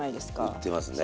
売ってますね。